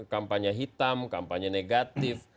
kampanye hitam kampanye negatif